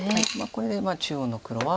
これで中央の黒は。